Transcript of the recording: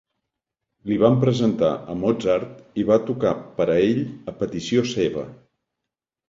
Li van presentar a Mozart i va tocar per a ell a petició seva.